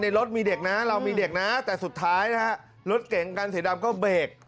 ในรถมีเด็กน้าเรามีเด็กน้าแต่สุดท้ายรถเก่งกันสีดำก็เบรก